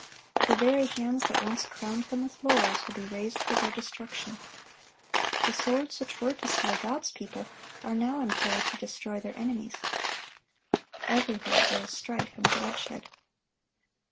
The very hands that once crowned them with laurels, will be raised for their destruction. The swords which were to slay God's people, are now employed to destroy their enemies. Everywhere there is strife and bloodshed.